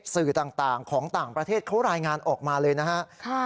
สื่อต่างของต่างประเทศเขารายงานออกมาเลยนะครับ